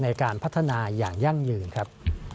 ในการพัฒนาอย่างยั่งยืนครับ